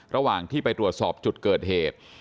ระหว่างที่ไปตรวจสอบจุดเกิดเหตุ